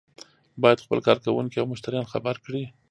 باید خپل کارکوونکي او مشتریان خبر کړي.